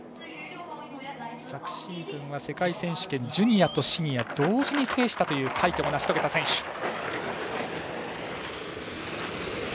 昨シーズンは世界選手権ジュニアとシニア同時に制したという快挙も成し遂げた選手。